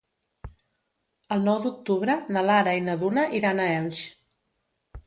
El nou d'octubre na Lara i na Duna iran a Elx.